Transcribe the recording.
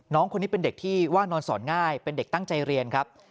น้องคนนี้เป็นเด็กที่ว่านอนสอนง่ายเป็นเด็กตั้งใจเรียนครับ